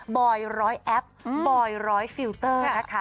บอยร้อยแอปบอยร้อยฟิลเตอร์นะคะ